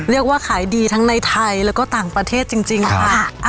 เรียกว่าขายดีทั้งในไทยแล้วก็ต่างประเทศจริงค่ะ